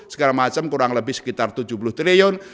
segala macam kurang lebih sekitar tujuh puluh triliun